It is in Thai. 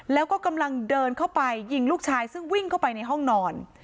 แล้วก็กำลังเดินเข้าไปยิงลูกชายซึ่งวิ่งเข้าไปในห้องนอน